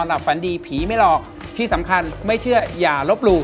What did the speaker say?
หลับฝันดีผีไม่หลอกที่สำคัญไม่เชื่ออย่าลบหลู่